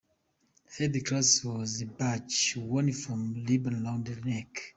Third class was a badge, worn from a ribbon around the neck.